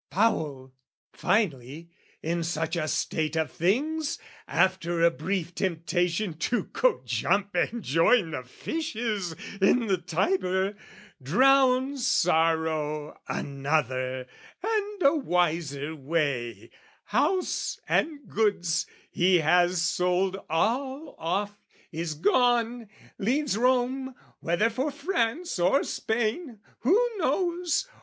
" Paul, finally, in such a state of things, "After a brief temptation to go jump "And join the fishes in the Tiber, drowns "Sorrow another and a wiser way: "House and goods, he has sold all off, is gone, "Leaves Rome, whether for France or Spain, who knows?